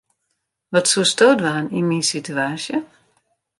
Wat soesto dwaan yn myn situaasje?